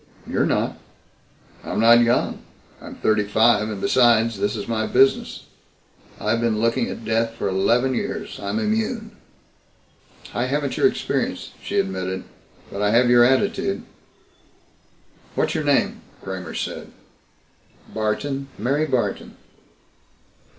"You're not." "I'm not young. I'm thirty five, and besides, this is my business. I've been looking at death for eleven years. I'm immune." "I haven't your experience," she admitted, "but I have your attitude." "What's your name?" Kramer said. "Barton, Mary Barton."